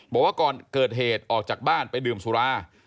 บอกว่าก่อนเกิดเหตุออกจากบ้านไปดื่มสุรา